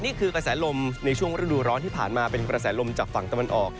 กระแสลมในช่วงฤดูร้อนที่ผ่านมาเป็นกระแสลมจากฝั่งตะวันออก